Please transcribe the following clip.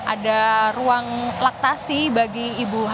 ada ruang laktasi bagi ibu hamil